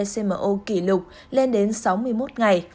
smo kỷ lục lên đến sáu mươi một ngày